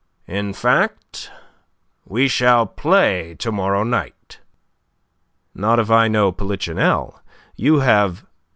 "In fact, we shall play to morrow night." "Not if I know Polichinelle. You have..."